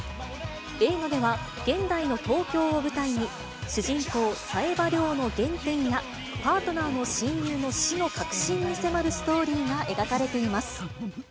映画では、現代の東京を舞台に、主人公、冴羽りょうの原点やパートナーの親友の死の核心に迫るストーリーが描かれています。